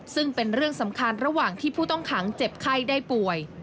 ซึ่งเป็นเรื่องสำคัญระหว่างที่ผู้ต้องขังเจ็บไข้ได้ป่วย